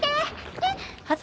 えっ！？